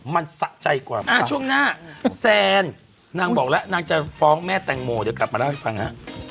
มันสะใจกว่าช่วงหน้าแซนนางบอกแล้วนางจะฟ้องแม่แตงโมเดี๋ยวกลับมาเล่าให้ฟังฮะ